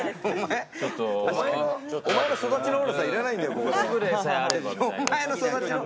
おまえの育ちの悪さ、いらないんだよ。